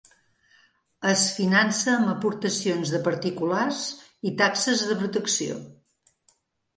Es finança amb aportacions de particulars i taxes de protecció.